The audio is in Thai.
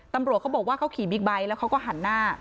ตำรวจเขาบอกว่าเขาขี่บิ๊กไบท์แล้วเขาก็หันหน้า